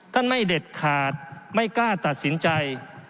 ไม่เด็ดขาดไม่กล้าตัดสินใจ